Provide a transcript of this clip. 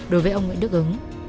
đối với ông nguyễn đức ứng